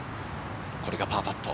これがパーパット。